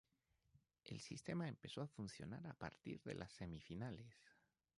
El sistema empezó a funcionar a partir de las semifinales.